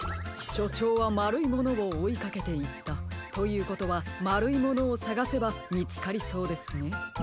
しょちょうはまるいものをおいかけていったということはまるいものをさがせばみつかりそうですね。